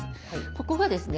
ここがですね